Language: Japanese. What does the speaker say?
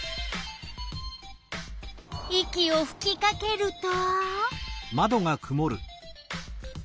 息をふきかけると？